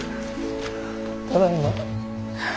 ただいま。